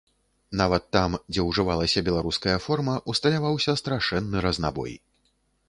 Нават там, дзе ўжывалася беларуская форма, усталяваўся страшэнны разнабой.